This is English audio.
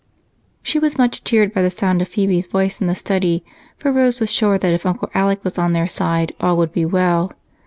She was much cheered by the sound of Phebe's voice in the study, for Rose was sure that if Uncle Alec was on their side all would be well.